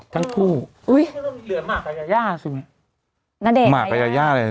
ทั้งคู่อุ้ยมันต้องมีเหลือหมากกายาย่าใช่ไหม